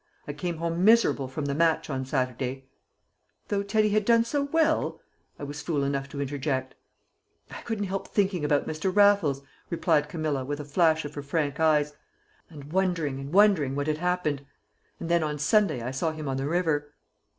"I came home miserable from the match on Saturday " "Though Teddy had done so well!" I was fool enough to interject. "I couldn't help thinking about Mr. Raffles," replied Camilla, with a flash of her frank eyes, "and wondering, and wondering, what had happened. And then on Sunday I saw him on the river."